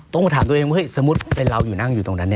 ต้องมาถามตัวเองว่าเฮ้ยสมมุติเป็นเราอยู่นั่งอยู่ตรงนั้น